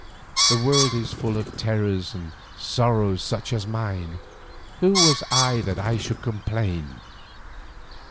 The world is full of terrors and sorrows such as mine, who was I that I should complain?